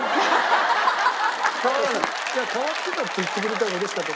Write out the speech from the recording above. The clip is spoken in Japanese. いや変わってたって言ってくれた方が嬉しかった。